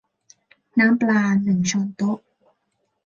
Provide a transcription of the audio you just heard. น้ำปลา หนึ่งช้อนโต๊ะ